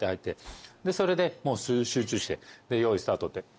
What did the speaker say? それで集中して用意スタートって。